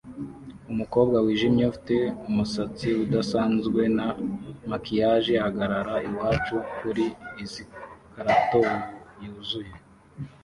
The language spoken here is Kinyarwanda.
Umukobwa wijimye ufite umusatsi udasanzwe na maquillage ahagarara iwacu kuri escalator yuzuye